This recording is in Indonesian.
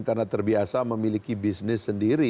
karena terbiasa memiliki bisnis sendiri